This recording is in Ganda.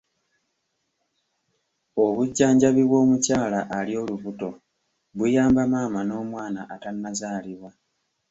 Obujjanjabi bw'omukyala ali olubuto buyamba maama n'omwana atannazaalibwa.